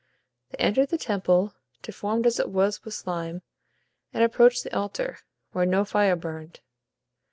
They entered the temple, deformed as it was with slime, and approached the altar, where no fire burned.